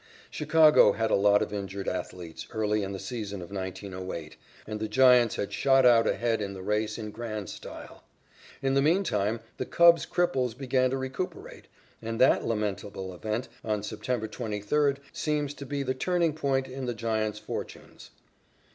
Chicago had a lot of injured athletes early in the season of 1908, and the Giants had shot out ahead in the race in grand style. In the meantime the Cubs' cripples began to recuperate, and that lamentable event on September 23 seemed to be the turning point in the Giants' fortunes.